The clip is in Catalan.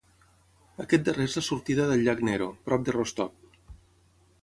Aquest darrer és la sortida del llac Nero, prop de Rostov.